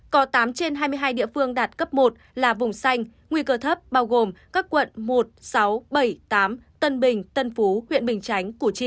có tám trên hai mươi hai địa phương đạt cấp một là vùng xanh nguy cơ thấp bao gồm các quận một sáu bảy tám tân bình tân phú huyện bình chánh củ chi